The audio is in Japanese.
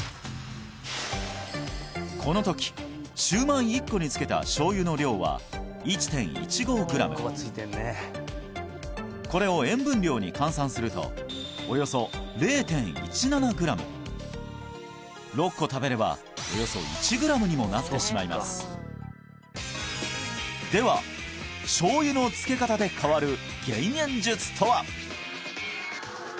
この時シューマイ１個につけた醤油の量は１．１５グラムこれを塩分量に換算するとおよそ０．１７グラム６個食べればおよそ１グラムにもなってしまいますでは醤油のつけ方で変わる減塩術とは？